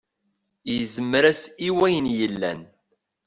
Yezmer-as i wayen yellan.